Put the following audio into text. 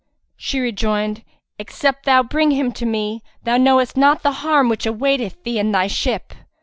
She rejoined, "Except thou bring him to me, thou knowest not the harm which awaiteth thee and thy ship."